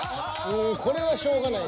［うんこれはしょうがない］